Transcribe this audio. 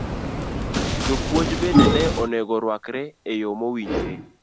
Jopuonj bende ne onego orwakre e yo mowinjore.